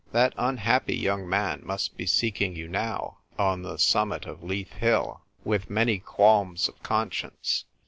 That unhappy young man must be seeking you now, on the summit of Leith Hill, with many qualms of conscience."